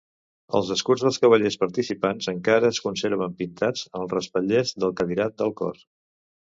Els escuts dels cavallers participants, encara es conserven pintats als respatllers del cadirat del cor.